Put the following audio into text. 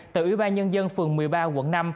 từ ủy ban nhân dân phường một mươi ba quận năm